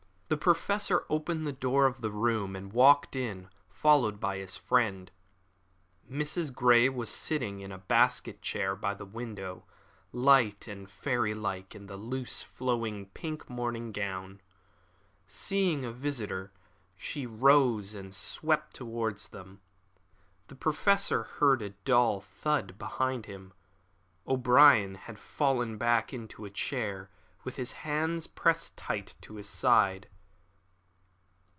The Professor opened the door of the room, and walked in, followed by his friend. Mrs. Grey was sitting in a basket chair by the window, light and fairy like in a loose flowing, pink morning gown. Seeing a visitor, she rose and swept towards them. The Professor heard a dull thud behind him. O'Brien had fallen back into a chair, with his hand pressed tight to his side.